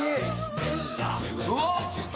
うわっ！